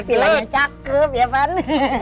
villanya cakep ya pan